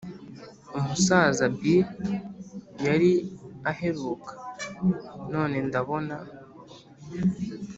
umusaza bill yari aheruka, none ndabona